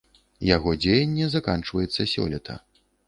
Яго дзеянне заканчваецца сёлета.